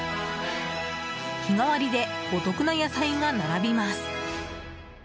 日替わりでお得な野菜が並びます。